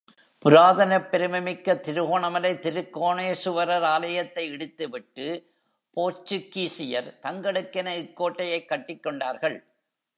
புராதனப் பெருமை மிக்க திருகோணமலை திருகோணேசுவரர் ஆலயத்தை இடித்துவிட்டு போர்ச்சுக்கீசியர் தங்களுக்கென இக்கோட்டையைக் கட்டிக் கொண்டார்கள்.